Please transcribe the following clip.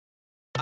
あ！